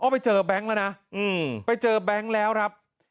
ไปเจอแบงค์แล้วนะไปเจอแบงค์แล้วครับ